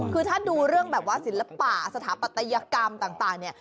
คือถ้าดูเรื่องแบบว่าศิลปะสถาปัตยกรรมต่างเนี่ย